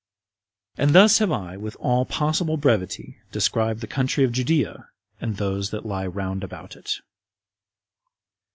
And thus have I, with all possible brevity, described the country of Judea, and those that lie round about it.